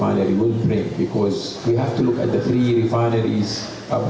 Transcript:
kita bisa mengetahui integrasi yang akan diperlukan dua perusahaan tambahan